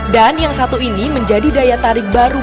dan yang satu ini menjadi daya tarik baru